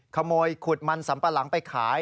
ขโมยขุดมันสัมปะหลังไปขาย